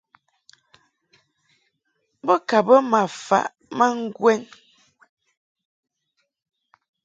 Bo ka bə ma faʼ ma ŋgwɛn.